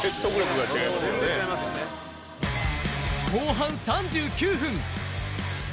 後半３９分。